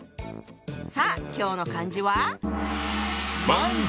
さあ今日の漢字は？